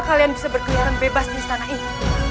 kalian bisa berkeliaran bebas di istana ini